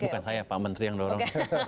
bukan saya pak menteri yang dorong